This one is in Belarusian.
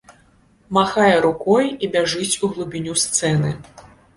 Махае рукой і бяжыць у глыбіню сцэны.